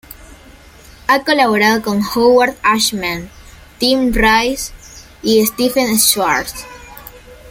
Ha colaborado con Howard Ashman, Tim Rice y Stephen Schwartz.